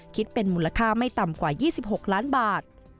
คิดเป็นมูลค่าไม่ต่ำกว่า๒๖ล้านบาท